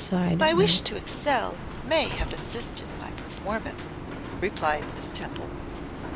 'My wish to excel may have assisted my performance,' replied Miss Temple.